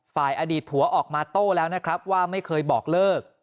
อดีตผัวออกมาโต้แล้วนะครับว่าไม่เคยบอกเลิก